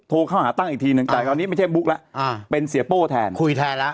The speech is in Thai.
โทรเข้าหาตั้งอีกทีหนึ่งแต่คราวนี้ไม่ใช่บุ๊กแล้วอ่าเป็นเสียโป้แทนคุยแทนแล้ว